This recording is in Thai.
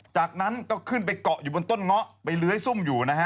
จากนั้นก็ขึ้นไปเกาะอยู่บนต้นเงาะไปเลื้อยซุ่มอยู่นะฮะ